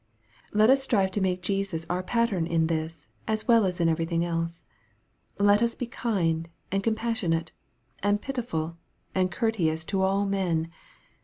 Let us strive to make Jesus our pattern in this, as well as in everything else. Let us be kind, and compassion ate, and pitiful, and courteous to all men.